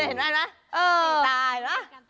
เห็นไหมตายเหรอ